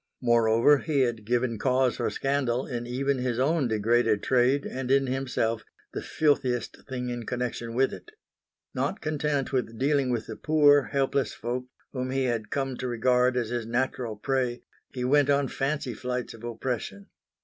Moreover, he had given cause for scandal in even his own degraded trade and in himself, the filthiest thing in connection with it. Not content with dealing with the poor, helpless folk, whom he had come to regard as his natural prey, he went on fancy flights of oppression.